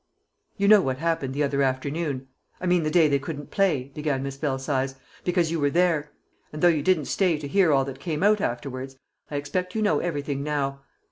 "You know what happened the other afternoon I mean the day they couldn't play," began Miss Belsize, "because you were there; and though you didn't stay to hear all that came out afterwards, I expect you know everything now.